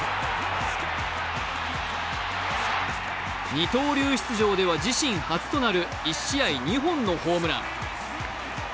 二刀流出場では自身初となる１試合２本のホームラン。